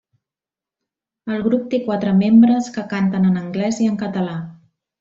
El grup té quatre membres que canten en anglès i en català.